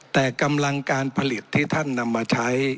แต่กำลังการผลิตที่ท่านนำมาใช้